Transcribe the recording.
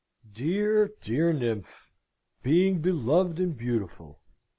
Dear, dear nymph! Being beloved and beautiful!